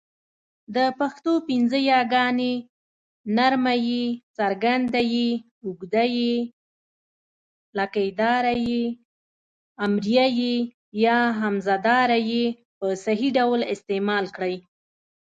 د پښتو پنځه یاګاني ی، ي، ې، ۍ، ئ په صحيح ډول استعمال کړئ!